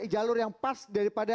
jalur yang pas daripada